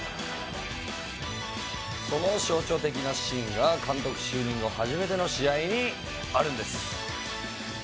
その象徴的なシーンが監督就任後初めての試合にあるんです。